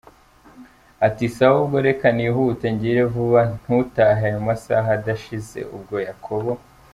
ati sawa ubwo reka nihute ngire vuba ntutahe ayo masaha adashize! Ubwo Yakobo.